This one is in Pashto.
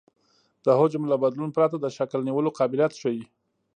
د حجم له بدلون پرته د شکل نیولو قابلیت ښیي